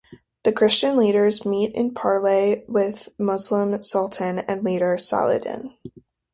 The Christian leaders meet in parley with the Muslim Sultan and leader Saladin.